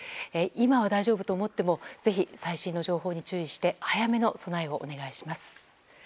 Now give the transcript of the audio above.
今は大丈夫と思ってもぜひ最新の情報に注意して早めの備えをお願いします。